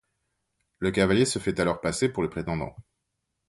Le cavalier se fait alors passer pour le prétendant.